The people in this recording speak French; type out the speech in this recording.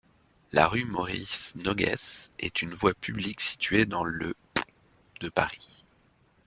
La rue Maurice-Noguès est une voie publique située dans le de Paris.